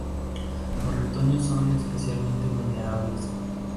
Los retoños son especialmente vulnerables.